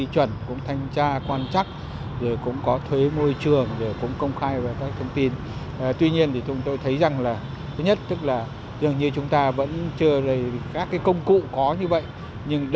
các mặt hàng túi ni lông